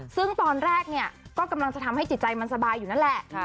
ซึ่งตอนแรกเนี่ยก็กำลังจะทำให้จิตใจมันสบายอยู่นั่นแหละ